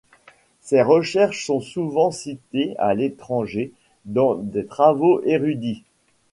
Ses recherches sont souvent citées à l'étranger dans des travaux érudits.